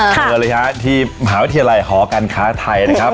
เผลอเลยครับที่มหาวิทยาลัยหอกันค้าไทยนะครับ